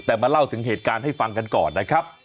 แต่มาเล่าถึงเหตุการณ์ให้ฟังกันก่อนนะครับ